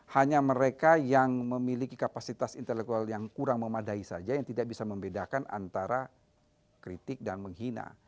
hanya mereka yang memiliki kapasitas intelektual yang kurang memadai saja yang tidak bisa membedakan antara kritik dan menghina